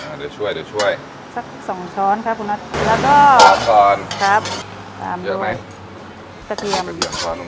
อ่าโดยช่วยโดยช่วยสักสองช้อนครับคุณฮัทแล้วก็ปลอบก่อน